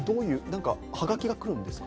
はがきが来るんですか？